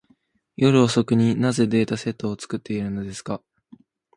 夜遅くに、なぜデータセットを作っているのですか。